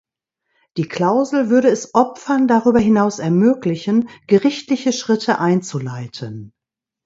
Die Klausel würde es Opfern darüber hinaus ermöglichen, gerichtliche Schritte einzuleiten.